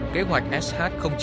kế hoạch sh chín